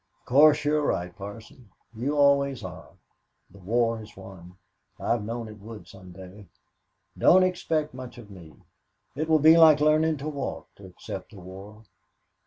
"Of course you're right, Parson. You always are. The war has won. I've known it would some day. Don't expect much of me. It will be like learning to walk, to accept the war."